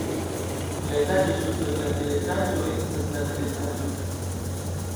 La etaĝo super la teretaĝo estas la teretaĝo.